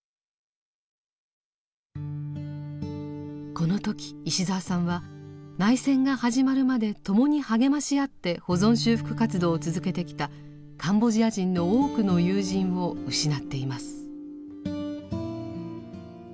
この時石澤さんは内戦が始まるまで共に励まし合って保存修復活動を続けてきたカンボジア人の多くの友人を失っています。